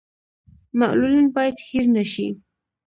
معلولین باید هیر نشي